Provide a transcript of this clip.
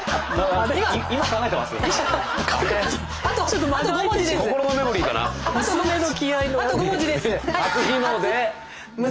あと５文字です。